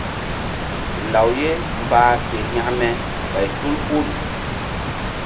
Law ye mbah ke hekme ɓay tu hul.